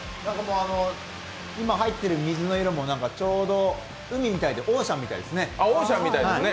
今入っている水の色もちょうど海みたいでオーシャンみたいですね。